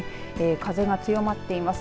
風が強まっています。